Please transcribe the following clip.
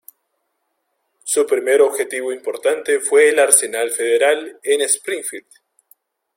Su primer objetivo importante fue el arsenal federal en Springfield.